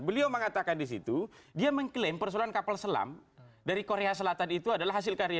beliau mengatakan di situ dia mengklaim persoalan kapal selam dari korea selatan itu adalah hasil karya